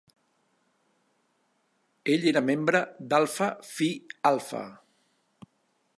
Ell era membre d'Alpha Phi Alpha.